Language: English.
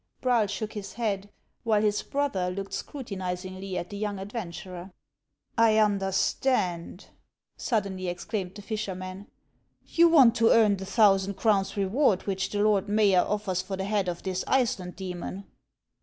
" Braal shook his head, while his brother looked scruti nizingly at the young adventurer. 316 1IANS OF ICELAND. " I understand," suddenly exclaimed the fisherman ;'' you want to earn the thousand crowns reward which the lord mayor offers for the head of this Iceland demon."